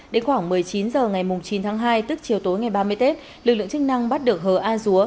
đến khoảng một mươi chín h ngày chín tháng hai tức chiều tối ngày ba mươi tết lực lượng chức năng bắt được hờ a dúa